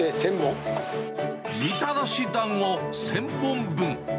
みたらしだんご１０００本分。